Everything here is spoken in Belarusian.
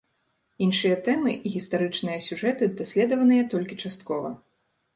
Іншыя тэмы і гістарычныя сюжэты даследаваныя толькі часткова.